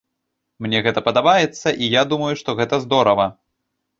Мне гэта падабаецца, і я думаю, што гэта здорава.